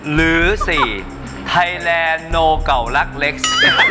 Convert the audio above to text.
หรือ๔ไทไลน์โนเก่ารักเล็กซ์